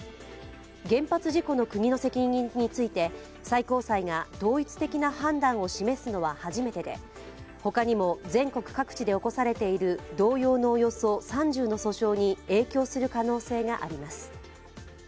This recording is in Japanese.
原発事故の国の責任について最高裁が統一的な判断を示すのは初めてでほかにも全国各地で起こされている同様のおよそ３０の訴訟に影響する可能性があります。